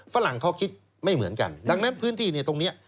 ฝรั่งเขาคิดไม่เหมือนกันดังนั้นพื้นที่เนี่ยตรงนี้